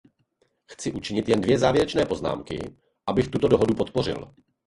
Chci učinit jen dvě závěrečné poznámky, abych tuto dohodu podpořil.